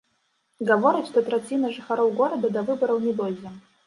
Гаворыць, што траціна жыхароў горада да выбараў не дойдзе.